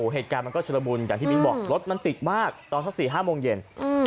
เหตุการณ์มันก็ชุดละมุนอย่างที่มิ้นบอกรถมันติดมากตอนสัก๔๕โมงเย็น